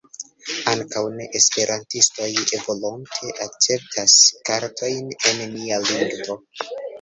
Ankaŭ ne-esperantistoj volonte akceptas kartojn en nia lingvo.